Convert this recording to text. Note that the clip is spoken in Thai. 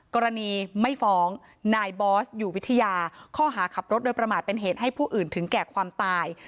กรณีไม่ฟ้องนายบอสอยู่วิทยาข้อหาขับรถโดยประมาทเป็นเหตุให้ผู้อื่นถึงแก่ความตาย